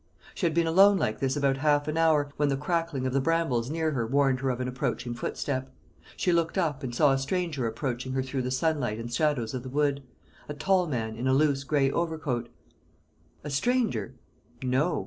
She had been alone like this about half an hour, when the crackling of the brambles near her warned her of an approaching footstep. She looked up, and saw a stranger approaching her through the sunlight and shadows of the wood a tall man, in a loose, gray overcoat. A stranger? No.